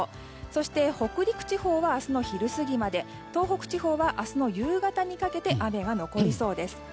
そして、北陸地方は明日の昼過ぎまで東北地方は明日の夕方にかけて雨が残りそうです。